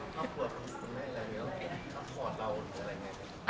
แฟนคลับของคุณไม่ควรเราอะไรไง